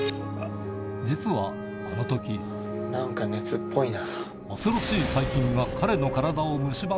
実はこの時何か熱っぽいな。